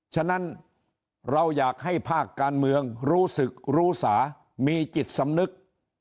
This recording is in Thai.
ฉะนั้นเราอยากให้ภาคการเมืองรู้สึกรู้สามีจิตสำนึก